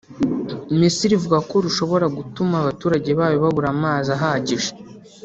Misiri ivuga ko rushobora gutuma abaturage bayo babura amazi ahagije